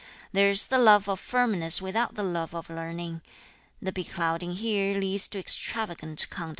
There is the love of boldness without the love of learning; the beclouding here leads to insubordination.